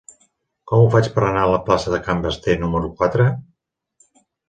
Com ho faig per anar a la plaça de Can Basté número quatre?